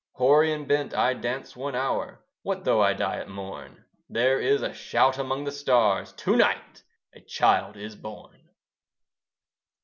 Hoary and bent I dance one hour: What though I die at morn? There is a shout among the stars, "To night a child is born."